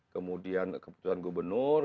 kemudian keputusan gubernur